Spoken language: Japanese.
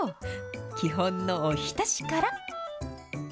基本のおひたしから。